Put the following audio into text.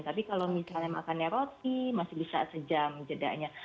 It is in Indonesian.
tapi kalau misalnya makannya roti masih bisa sejam jedanya